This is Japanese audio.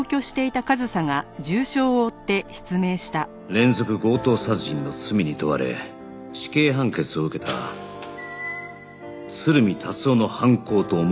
連続強盗殺人の罪に問われ死刑判決を受けた鶴見達男の犯行と思われていた